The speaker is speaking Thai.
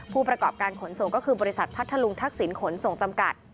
ผู้ประกอบการขนส่งก็คือบริษัทพัทธลุงทักษิณขนส่งจำกัด